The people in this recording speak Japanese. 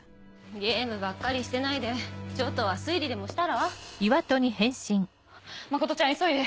ゲームばっかりしてないでちょっとは推理真ちゃん急いで！